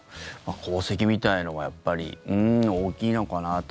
功績みたいなのがやっぱり大きいのかなと。